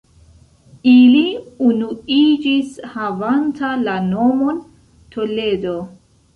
Ili unuiĝis havanta la nomon Toledo.